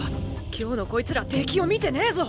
今日のこいつら敵を見てねえぞ。